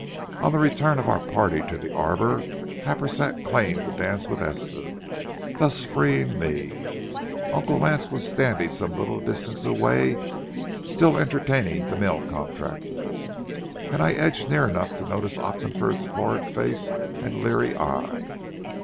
On the return of our party to the arbor, Happersett claimed a dance with Esther, thus freeing me. Uncle Lance was standing some little distance away, still entertaining the mail contractors, and I edged near enough to notice Oxenford's florid face and leery eye.